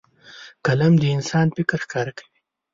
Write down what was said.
قلم د انسان فکر ښکاره کوي